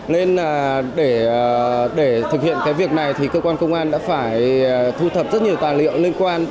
nên để thực hiện cái việc này thì cơ quan công an đã phải thu thập rất nhiều tài liệu liên quan